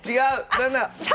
７。